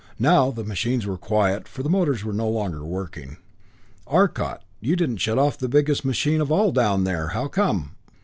Now the machines were quiet, for the motors were no longer working. "Arcot, you didn't shut off the biggest machine of all down there. How come?"